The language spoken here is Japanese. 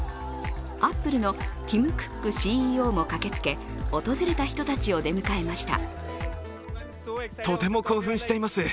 アップルのティム・クックＣＥＯも駆けつけ、訪れた人たちを出迎えました。